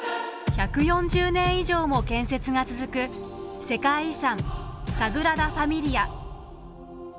１４０年以上も建設が続く世界遺産サグラダ・ファミリア。